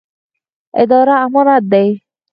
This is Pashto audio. اداره امانت دی